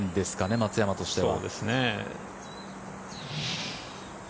松山としては。